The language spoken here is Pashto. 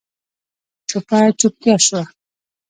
چوپه چوپتيا شوه.